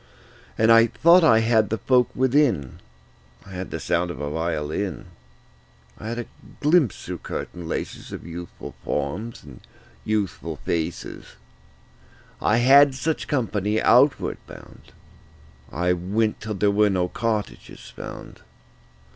And I thought I had the folk within: I had the sound of a violin; I had a glimpse through curtain laces Of youthful forms and youthful faces. I had such company outward bound. I went till there were no cottages found.